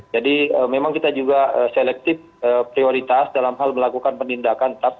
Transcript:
memang kita juga selektif prioritas dalam hal melakukan penindakan